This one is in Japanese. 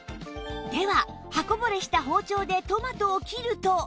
では刃こぼれした包丁でトマトを切ると